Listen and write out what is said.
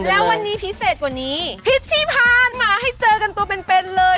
แล้ววันนี้พิเศษกว่านี้พิชชีพาดมาให้เจอกันตัวเป็นเป็นเลย